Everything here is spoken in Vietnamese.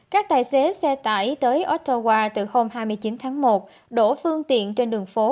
các tài xế xe tải tới australia từ hôm hai mươi chín tháng một đổ phương tiện trên đường phố